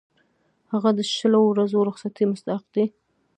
هغه د شلو ورځو رخصتۍ مستحق دی.